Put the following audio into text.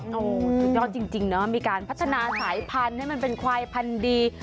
สุดยอดจริงนะมีการพัฒนาสายพันธุ์ให้มันเป็นควายพันธุ์ดี